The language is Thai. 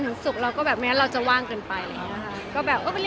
ไม่มีร่วงไม่หลายเหมือนไปปริยาครับ